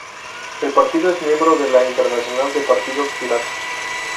El partido es miembro de la Internacional de Partidos Pirata.